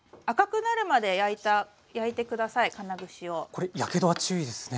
これやけどは注意ですね。